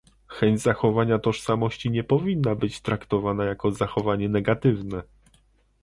Chęć zachowania tożsamości nie powinna być traktowana jako zachowanie negatywne